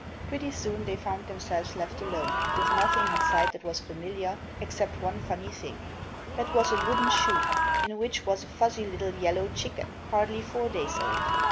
Pretty soon they found themselves left alone, with nothing in sight that was familiar, except one funny thing. That was a wooden shoe, in which was a fuzzy little yellow chicken hardly four days old.